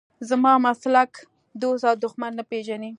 زما مسلک دوست او دښمن نه پېژني.